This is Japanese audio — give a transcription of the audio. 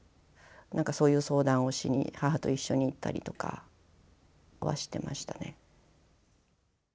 何かそういう相談をしに母と一緒に行ったりとかはしてましたね。